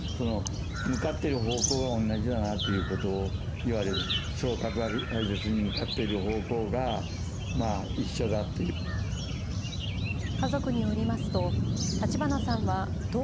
向かっている方向は同じだなということを言われる、確実に向かっている方向が一緒だという。